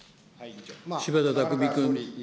柴田巧君。